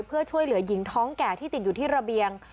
เพื่อช่วยเหลือหญิงท้องแก่ที่ติดอยู่ที่ระเบียง